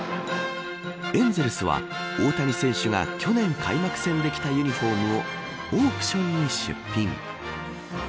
エンゼルスは大谷選手が去年開幕戦で着たユニホームをオークションに出品。